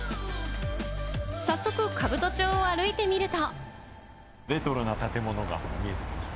早速、兜町を歩いてみると。